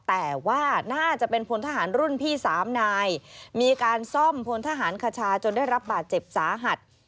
แต่ว่าน่าจะเป็นพลทหารรุ่นพี่๓นายมีการซ่อมพลทหารคชาจนได้รับบาดเจ็บสาหัส